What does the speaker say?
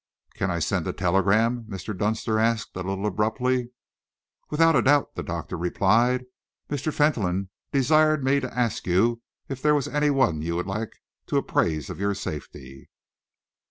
"Can I send a telegram?" Mr. Dunster asked, a little abruptly. "Without a doubt," the doctor replied. "Mr. Fentolin desired me to ask you if there was any one whom you would like to apprise of your safety."